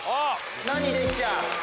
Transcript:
何できちゃう？